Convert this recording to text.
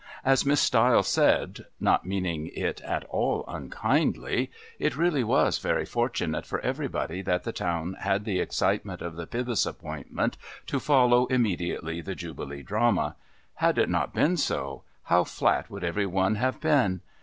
As Miss Stiles said (not meaning it at all unkindly), it really was very fortunate for everybody that the town had the excitement of the Pybus appointment to follow immediately the Jubilee drama; had it not been so, how flat would every one have been!